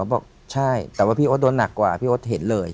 บอกใช่แต่ว่าพี่โอ๊ตโดนหนักกว่าพี่โอ๊ตเห็นเลย